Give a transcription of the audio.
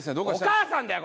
お母さんだよ！